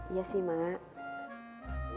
iya sih mak